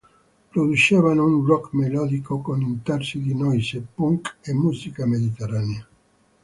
Producevano un rock melodico con intarsi di noise, punk e musica mediterranea.